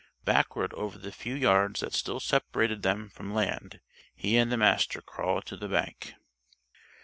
Backward over the few yards that still separated them from land he and the Master crawled to the bank.